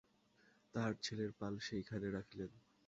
তাঁহার ছেলের পাল সেইখানে রাখিলেন।